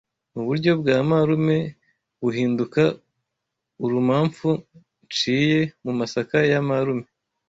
mu buryo bwa marume buhinduka urumamfu nshiye mu masaka ya marume